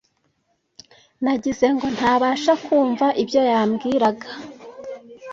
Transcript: Nagize ngo ntabasha kumva ibyo yambwiraga.